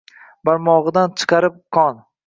Barmog’idan chiqarib qon